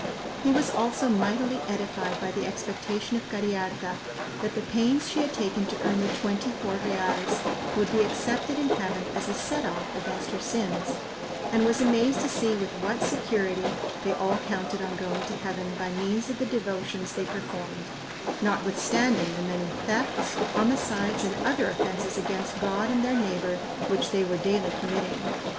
He was also mightily edified by the expectation of Cariharta that the pains she had taken to earn the twenty four reals would be accepted in heaven as a set off against her sins, and was amazed to see with what security they all counted on going to heaven by means of the devotions they performed, notwithstanding the many thefts, homicides, and other offences against God and their neighbour which they were daily committing.